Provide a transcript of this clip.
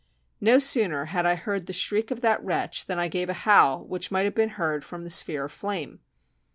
No sooner had I heard the shriek of that wretch than I gave a howl which might have been heard from the sphere of flame.